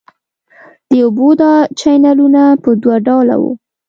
د اوبو دا چینلونه په دوه ډوله وو.